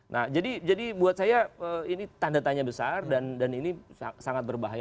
nah jadi buat saya ini tanda tanya besar dan ini sangat berbahaya